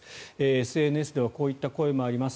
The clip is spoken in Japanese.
ＳＮＳではこういった声もあります。